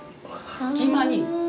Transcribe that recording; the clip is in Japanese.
隙間に。